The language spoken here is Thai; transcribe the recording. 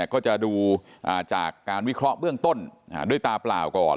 ก็จะดูจากการวิเคราะห์เบื้องต้นด้วยตาเปล่าก่อน